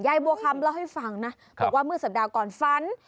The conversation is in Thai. บัวคำเล่าให้ฟังนะบอกว่าเมื่อสัปดาห์ก่อนฝัน